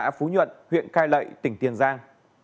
hộ khẩu thường trú tại ấp phú nhân huyện cai lậy tỉnh tiền giang